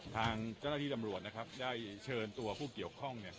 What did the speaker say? ทางเจ้าหน้าที่ตำรวจได้เชิญตัวผู้เกี่ยวข้อง